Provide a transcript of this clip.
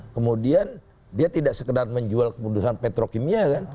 kemudian dia tidak sekedar menjual ke perusahaan petro kimia kan